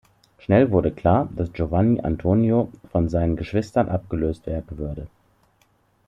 Schnell wurde klar, dass Giovanni Antonio von seinen Geschwistern abgelöst werden würde.